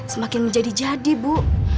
semakin menjadi jadi bu